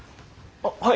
あっはい。